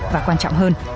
và quan trọng hơn